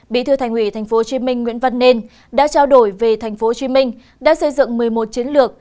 bí thư thành ủy tp hcm nguyễn văn nên đã trao đổi về tp hcm đã xây dựng một mươi một chiến lược